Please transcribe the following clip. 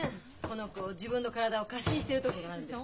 この子自分の体を過信してるところがあるんです。